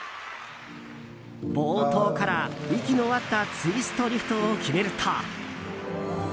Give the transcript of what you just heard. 冒頭から息の合ったツイストリフトを決めると。